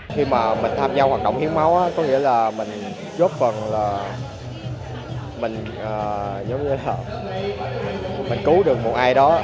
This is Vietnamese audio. khi mà mình tham gia hoạt động hiến máu có nghĩa là mình giúp phần là mình cứu được một ai đó